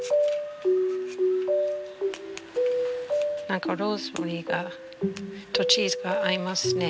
何かローズマリーとチーズが合いますね。